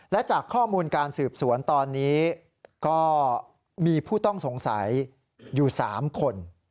และจากข้อมูลการสืบสวนตอนนี้ก็มีผู้ต้องสงสัยอยู่๓คน